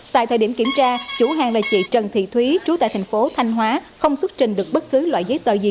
tại thời điểm kiểm tra chủ hàng là chị trần thị thúy trú tại thành phố thanh hóa không xuất trình được bất cứ loại giấy tờ gì